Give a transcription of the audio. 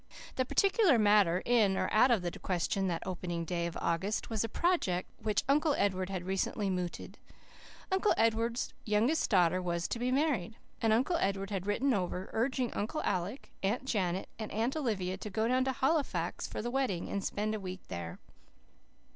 The particular matter in or out of the question that opening day of August was a project which Uncle Edward had recently mooted. Uncle Edward's youngest daughter was to be married; and Uncle Edward had written over, urging Uncle Alec, Aunt Janet and Aunt Olivia to go down to Halifax for the wedding and spend a week there.